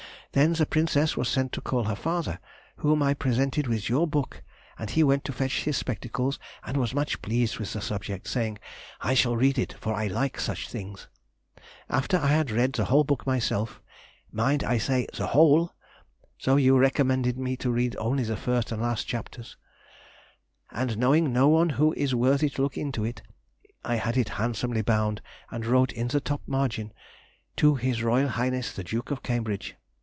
Then the Princess was sent to call her father, whom I presented with your book, and he went to fetch his spectacles, and was much pleased with the subject, saying, "I shall read it, for I like such things." After I had read the whole book myself—mind, I say the whole, though you recommended me to read only the first and last chapters—and knowing no one who is worthy to look into it, I had it handsomely bound and wrote in the top margin "To His Royal Highness, the Duke of Cambridge."